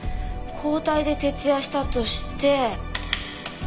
交代で徹夜したとして。